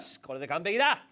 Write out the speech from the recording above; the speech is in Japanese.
これで完璧だ！